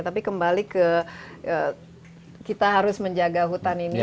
tapi kembali ke kita harus menjaga hutan ini